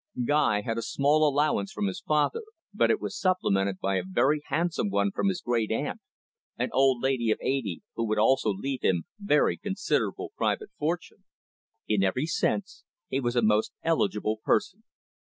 Guy had a small allowance from his father, but it was supplemented by a very handsome one from his great aunt, an old lady of eighty, who would also leave him her very considerable private fortune. In every sense, he was a most eligible person.